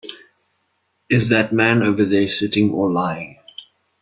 Is that man over there sitting or lying?